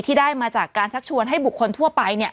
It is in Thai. ได้มาจากการชักชวนให้บุคคลทั่วไป